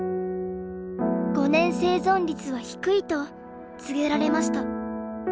５年生存率は低いと告げられました。